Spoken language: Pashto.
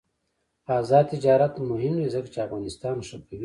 آزاد تجارت مهم دی ځکه چې افغانستان ښه کوي.